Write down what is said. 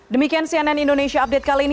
demikian cnn indonesia update kali ini